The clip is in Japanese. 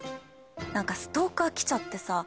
何かストーカー来ちゃってさ。